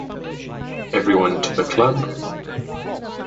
Everyone to the club!